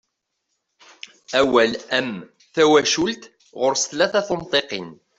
Awal am "tawacult" ɣuṛ-s tlata n tunṭiqin.